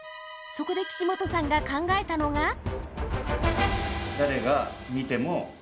そこで岸本さんが考えたのが。